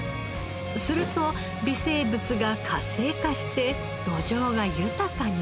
すると微生物が活性化して土壌が豊かに。